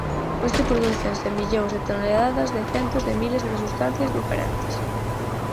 Hoxe prodúcense millóns de toneladas de centos de miles de sustancias diferentes.